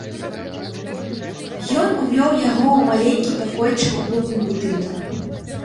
Ён увёў яго ў маленькі пакойчык у клубным будынку.